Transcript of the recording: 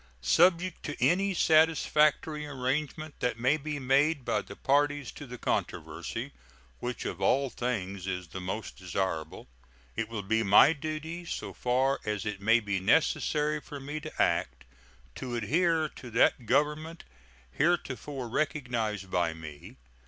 Subject to any satisfactory arrangement that may be made by the parties to the controversy, which of all things is the most desirable, it will be my duty, so far as it may be necessary for me to act, to adhere to that government heretofore recognized by me.